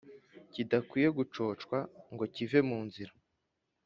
kidakwiye gucocwa ngo kive mu nzira,